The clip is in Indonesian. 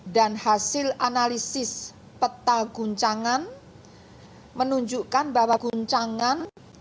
dan hasil analisis peta guncangan menunjukkan bahwa guncangan